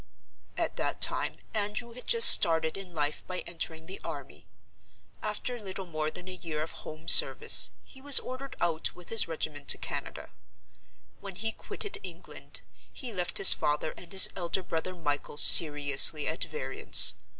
"At that time, Andrew had just started in life by entering the army. After little more than a year of home service, he was ordered out with his regiment to Canada. When he quitted England, he left his father and his elder brother Michael seriously at variance.